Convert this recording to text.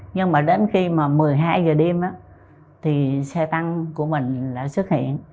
nhưng mà đến khi mà một mươi hai h đêm thì xe tăng của mình xuất hiện